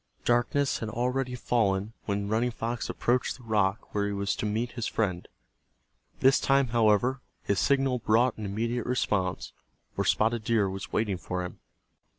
Darkness had already fallen when Running Fox approached the rock where he was to meet his friend. This time, however, his signal brought an immediate response, for Spotted Deer was waiting for him.